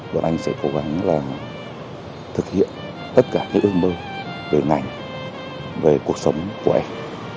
đồng anh sẽ cố gắng là thực hiện tất cả những ước mơ về ngành về cuộc sống của anh